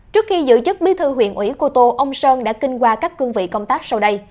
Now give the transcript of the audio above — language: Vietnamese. trước khi giữ chức bí thư huyện ủy cô tô ông sơn đã kinh qua các cương vị công tác sau đây